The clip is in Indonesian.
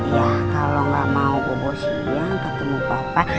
ya kalau gak mau bubuk siang ketemu papa